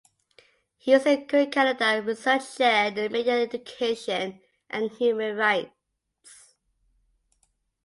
He is the current Canada Research Chair in Media Education and Human Rights.